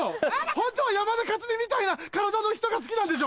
ホントは山田勝己みたいな体の人が好きなんでしょ？